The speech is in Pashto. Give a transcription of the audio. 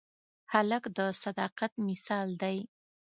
هلک د صداقت مثال دی.